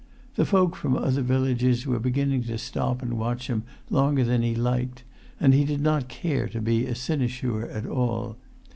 The folk from other villages were beginning to stop and watch him longer than he liked, and he did not care to be a cynosure at all.